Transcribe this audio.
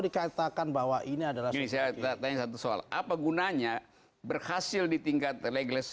dikatakan bahwa ini adalah sehat tanya satu soal apa gunanya berhasil ditingkat legis